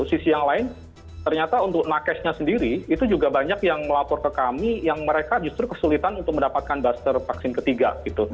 sisi yang lain ternyata untuk nakesnya sendiri itu juga banyak yang melapor ke kami yang mereka justru kesulitan untuk mendapatkan booster vaksin ketiga